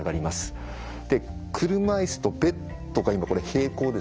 車いすとベッドが今これ平行ですね。